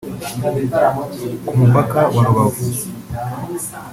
ku mupaka wa Rubavu